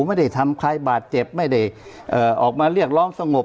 ไม่ได้ทำใครบาดเจ็บไม่ได้ออกมาเรียกร้องสงบ